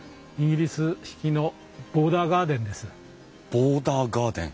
ボーダーガーデン？